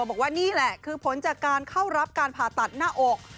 บอกว่านี่แหละคือผลจากการเข้ารับการผ่าตัดหน้าอก